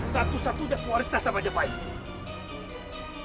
satu satu dari waris tahta majapahit